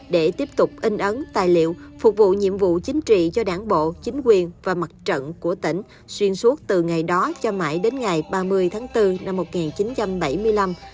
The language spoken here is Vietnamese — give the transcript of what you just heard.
để tiếp tục in ấn tài liệu phục vụ nhiệm vụ chính trị cho đảng bộ chính quyền và mặt trận của tỉnh xuyên suốt từ ngày đó cho mãi đến ngày ba mươi tháng bốn năm một nghìn chín trăm bảy mươi năm